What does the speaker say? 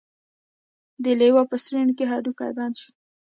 د لیوه په ستوني کې هډوکی بند شو.